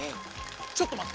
ちょっとまって！